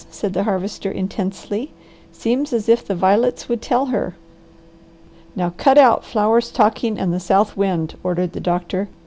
said the Harvester intensely. "Seems as if the violets would tell her." "Now cut out flowers talking and the South Wind!" ordered the doctor.